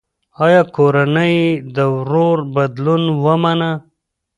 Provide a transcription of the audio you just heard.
ایا کورنۍ یې د ورور بدلون ومنه؟